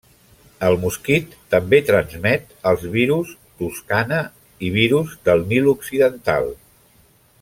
El mosquit també transmet els virus Toscana i virus del Nil Occidental.